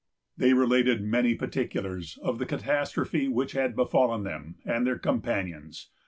They related many particulars of the catastrophe which had befallen them and their companions.